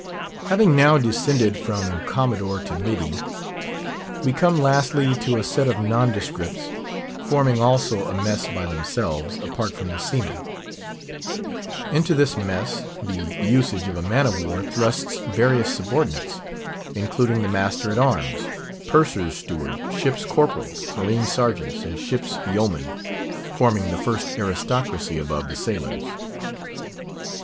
Having now descended from Commodore to Middy, we come lastly to a set of nondescripts, forming also a "mess" by themselves, apart from the seamen. Into this mess, the usage of a man of war thrusts various subordinates—including the master at arms, purser's steward, ship's corporals, marine sergeants, and ship's yeomen, forming the first aristocracy above the sailors.